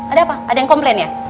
ada apa ada yang komplain ya